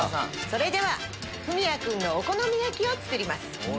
それでは文哉君のお好み焼きを作ります。